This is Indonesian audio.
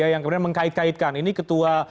yang kemudian mengkait kaitkan ini ketua